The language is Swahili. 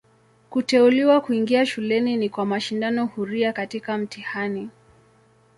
Kuteuliwa kuingia shuleni ni kwa mashindano huria katika mtihani.